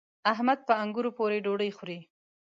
احمد په انګورو پورې ډوډۍ خوري.